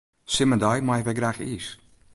Simmerdei meie wy graach iis.